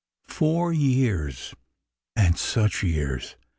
Four years — and such years!